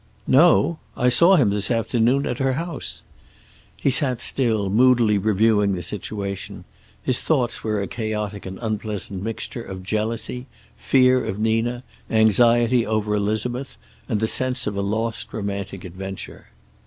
"Know? I saw him this afternoon, at her house." He sat still, moodily reviewing the situation. His thoughts were a chaotic and unpleasant mixture of jealousy, fear of Nina, anxiety over Elizabeth, and the sense of a lost romantic adventure.